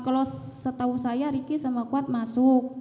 kalau setahu saya riki sama kuat masuk